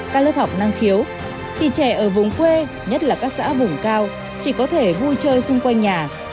các lớp học năng khiếu thì trẻ ở vùng quê nhất là các xã vùng cao chỉ có thể vui chơi xung quanh nhà